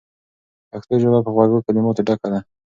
پښتو ژبه په خوږو کلماتو ډکه ده.